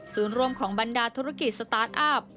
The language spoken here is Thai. รวมของบรรดาธุรกิจสตาร์ทอัพ